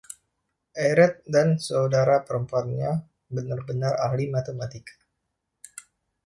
Errett dan saudara perempuannya benar-benar ahli matematika.